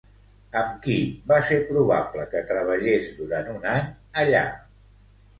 Amb qui va ser probable que treballés durant un any allà?